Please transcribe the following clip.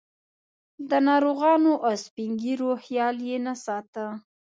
د ناروغانو او سپین ږیرو خیال یې نه ساته.